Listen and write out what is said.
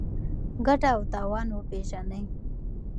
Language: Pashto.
ګټه او تاوان وپېژنئ.